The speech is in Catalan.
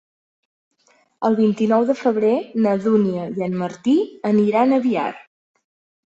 El vint-i-nou de febrer na Dúnia i en Martí aniran a Biar.